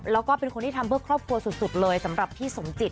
แล้วก็เป็นคนที่ทำเพื่อครอบครัวสุดเลยสำหรับพี่สมจิต